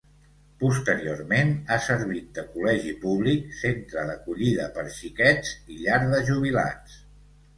Posteriorment, ha servit de col·legi públic, centre d'acollida per xiquets i llar de jubilats.